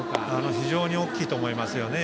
非常に大きいと思いますね。